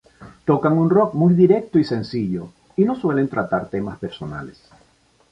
Tocan un rock muy directo y sencillo, y no suelen tratar temas personales.